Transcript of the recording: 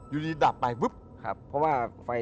อยู่ดีดับไป